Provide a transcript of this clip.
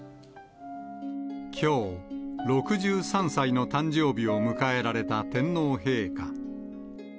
きょう６３歳の誕生日を迎えられた天皇陛下。